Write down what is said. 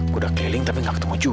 kuda keliling tapi gak ketemu juga